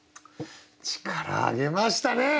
力上げましたね！